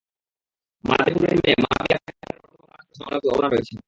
মাদারীপুরের মেয়ে মাবিয়া আক্তারের বর্তমান অবস্থানে আসার পেছনে অনেকের অবদান রয়েছে।